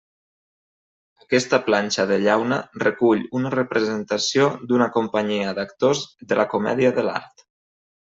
Aquesta planxa de llauna recull una representació d'una companyia d'actors de la Comèdia de l'art.